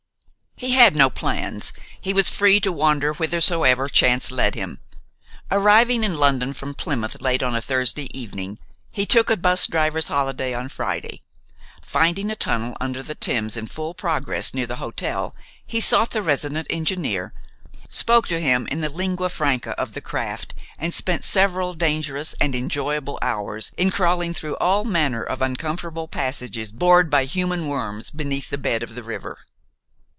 He had no plans. He was free to wander whithersoever chance led him. Arriving in London from Plymouth late on a Thursday evening, he took a bus driver's holiday on Friday. Finding a tunnel under the Thames in full progress near the hotel, he sought the resident engineer, spoke to him in the lingua franca of the craft, and spent several dangerous and enjoyable hours in crawling through all manner of uncomfortable passages bored by human worms beneath the bed of the river.